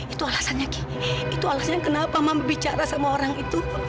itu alasannya ki itu alasannya kenapa mama bicara sama orang itu